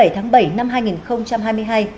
hai mươi bảy tháng bảy năm hai nghìn hai mươi hai